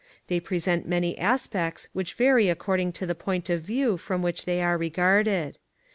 They present many aspects which vary according to the point of view from which they are regarded.